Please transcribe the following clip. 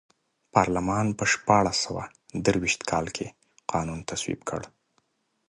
پارلمان په شپاړس سوه درویشت کال کې قانون تصویب کړ.